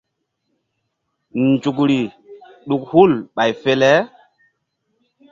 Nzukri ɗuk hul ɓay fe le.